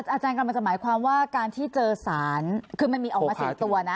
อาจารย์กำลังจะหมายความว่าการที่เจอสารคือมันมีออกมา๔ตัวนะ